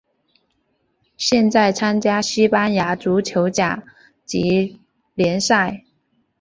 现在参加西班牙足球甲级联赛。